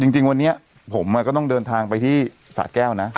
จริงวันนี้ผมก็ต้องเดินทางไปที่สะแก้วนะ